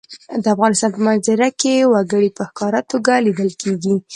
د افغانستان په منظره کې وګړي په ښکاره توګه لیدل کېږي.